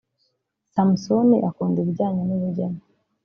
Samson akunda ibijyanye n’ubugeni